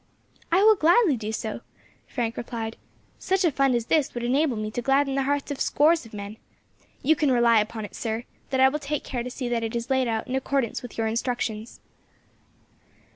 "I will gladly do so," Frank replied; "such a fund as this would enable me to gladden the hearts of scores of men. You can rely upon it, sir, that I will take care to see that it is laid out in accordance with your instructions."